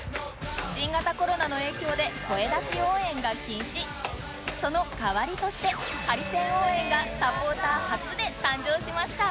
新型コロナの影響でその代わりとしてハリセン応援がサポーター発で誕生しました